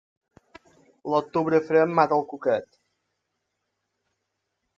L'octubre fred mata el cuquet.